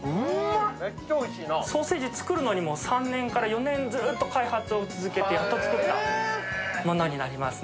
ソーセージを作るにもずっと開発を続けてやっと作ったものにもなりますね。